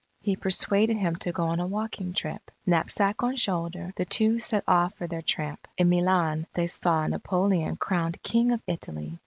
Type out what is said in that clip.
He persuaded him to go on a walking trip. Knapsack on shoulder, the two set off for their tramp. In Milan, they saw Napoleon crowned King of Italy.